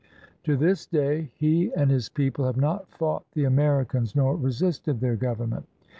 To this day he and his people have not fought the Americans, nor resisted their government.